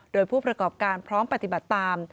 โดยผู้ประกอบการพร้อมปฏิบัติตาม